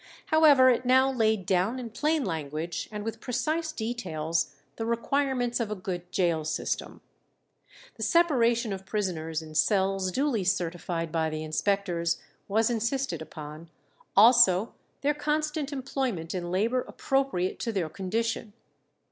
However, it now laid down in plain language and with precise details the requirements of a good gaol system. The separation of prisoners in cells duly certified by the inspectors was insisted upon, also their constant employment in labour appropriate to their condition.